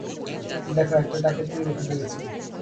দেখো, একটা ডাকাতি রুখে দিয়েছি।